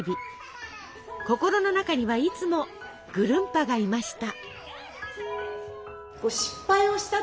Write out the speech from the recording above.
心の中にはいつもぐるんぱがいました。